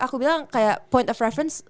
aku bilang kayak point of reference